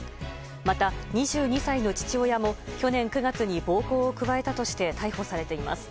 また、２２歳の父親も去年９月に暴行を加えたとして逮捕されています。